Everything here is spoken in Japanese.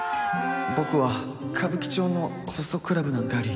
僕は歌舞伎町のホストクラブなんかより